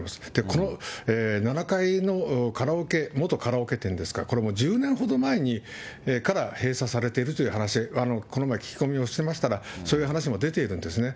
この７階の元カラオケ店ですか、これもう１０年ほど前から閉鎖されているという話、この前聞き込みをしてましたら、そういう話も出ているんですね。